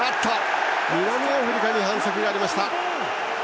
南アフリカに反則がありました。